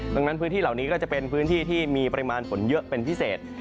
ดังนั้นพื้นที่เหล่านี้ก็จะเป็นพื้นที่ที่มีปริมาณฝนเยอะเป็นพิเศษ